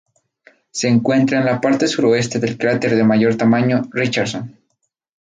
Se encuentra en la parte suroeste del cráter de mayor tamaño Richardson.